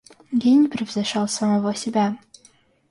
Гений превзошел самого себя.